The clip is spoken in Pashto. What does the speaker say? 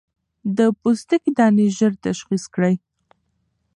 د پوستکي دانې ژر تشخيص کړئ.